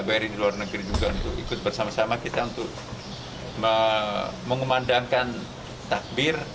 bri di luar negeri juga untuk ikut bersama sama kita untuk mengumandangkan takbir